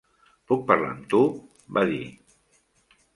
"Puc parlar amb tu?" va dir.